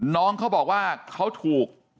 น้องเขาบอกว่าเขาถูก